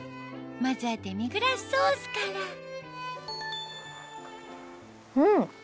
まずはデミグラスソースからうん！